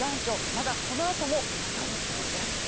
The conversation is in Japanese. まだこのあとも長引きそうです。